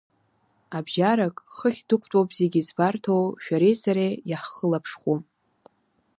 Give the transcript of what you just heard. Абжьарак, хыхь дықәтәоуп зегьы збарҭоу шәареи сареи иаҳхылаԥшхәу.